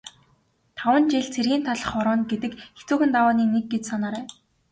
Таван жил цэргийн талх хорооно гэдэг хэцүүхэн давааны нэг гэж санаарай.